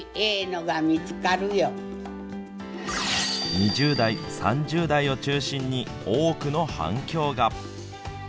２０代、３０代を中心に多くの反響が。